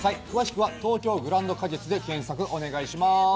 詳しくは東京グランド花月で検索お願いします。